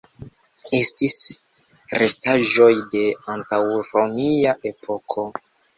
Estis restaĵoj de antaŭromia epoko.